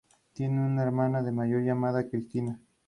Sobre la marcha se seleccionan los temas base y se desarrolla la "jam".